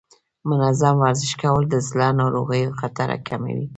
منظم ورزش کول د زړه ناروغیو خطر کموي.